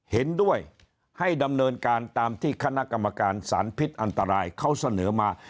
เห็นด้วยให้ดำเนินการตามที่คณะกรรมการสารพิษอันตรายเขาเสนอมา